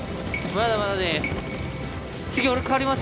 まだまだです。